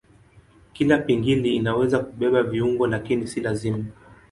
Kila pingili inaweza kubeba viungo lakini si lazima.